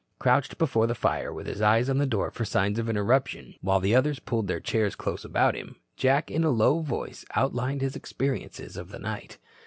Crouched before the fire and with his eyes on the door for signs of interruption, while the others pulled their chairs close about him, Jack in a low voice outlined his experiences of the night.